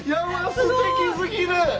すてきすぎる！